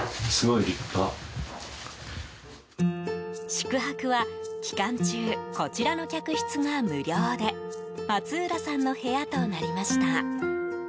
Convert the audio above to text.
宿泊は期間中こちらの客室が無料で松浦さんの部屋となりました。